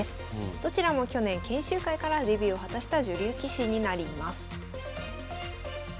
どちらも去年研修会からデビューを果たした女流棋士になります。